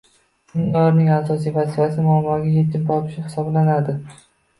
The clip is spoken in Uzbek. Seniorning asosiy vazifasi muammoga yechim topish hisoblanadi